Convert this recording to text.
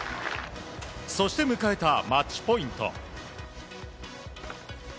そして迎えたマッチポイント。